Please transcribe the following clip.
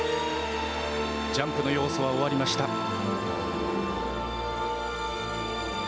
ジャンプの要素は終わりました。